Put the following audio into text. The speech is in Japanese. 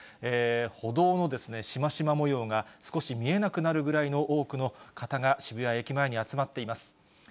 歩道のしましま模様が少し見えなくなるぐらいの多くの方が渋谷駅前に集まっています。